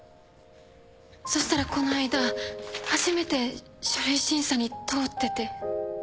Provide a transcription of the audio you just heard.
そしたらこの間初めて書類審査に通ってて。